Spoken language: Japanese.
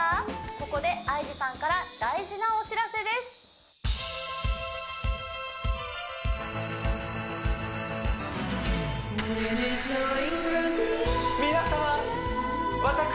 ここでＩＧさんから大事なお知らせです嘘！？